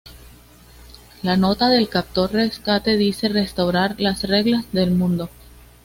La nota del captor rescate dice "restaurar las reglas del mundo".